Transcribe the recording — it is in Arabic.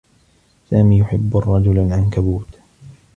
سامي يحبّ الرّجل العنكبوت.